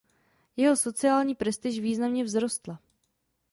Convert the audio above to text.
Jeho sociální prestiž významně vzrostla.